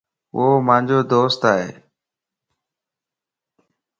وو مانجي دوست ائي